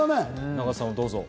永瀬さんもどうぞ。